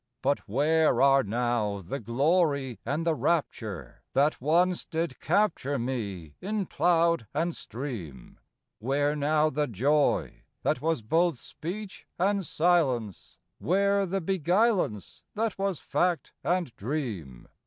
But where are now the glory and the rapture, That once did capture me in cloud and stream? Where now the joy, that was both speech and silence? Where the beguilance that was fact and dream?